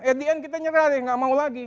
eh di end kita nyerah deh nggak mau lagi